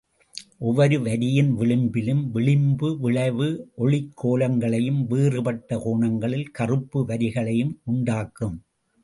ஒவ்வொரு வரியின் விளிம்பிலும் விளிம்பு விளைவு, ஒளிக்கோலங்களையும் வேறுபட்ட கோணங்களில் கறுப்பு வரிகளையும் உண்டாக்கும்.